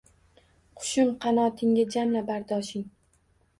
Qushim, qanotingga jamla bardoshing!